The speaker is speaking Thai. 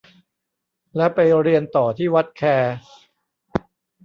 แล้วไปเรียนต่อที่วัดแค